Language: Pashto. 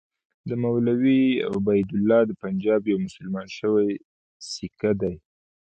مولوي عبیدالله د پنجاب یو مسلمان شوی سیکه دی.